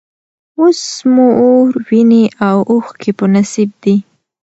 اوس مو اور، ویني او اوښکي په نصیب دي